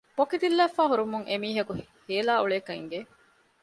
ބޮކި ދިއްލާފައި ހުރުމުން އެމީހަކު ހޭލާ އުޅޭކަން އިނގެ